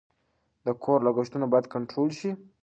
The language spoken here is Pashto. د کور لګښتونه باید کنټرول شي.